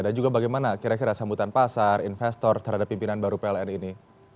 dan juga bagaimana kira kira sambutan pasar investor terhadap pimpinan baru pln ini